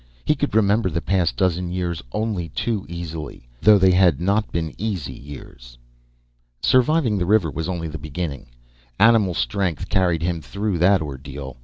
He could remember the past dozen years only too easily though they had not been easy years. Surviving the river was only the beginning. Animal strength carried him through that ordeal.